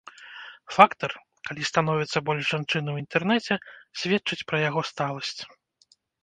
Фактар, калі становіцца больш жанчын у інтэрнэце, сведчыць пра яго сталасць.